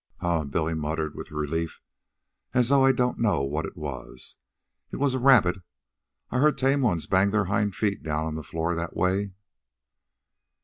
"Huh," Billy muttered with relief. "As though I don't know what it was. It was a rabbit. I've heard tame ones bang their hind feet down on the floor that way."